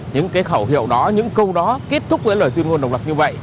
những cái khẩu hiệu đó những câu đó kết thúc với lời tuyên ngôn độc lập như vậy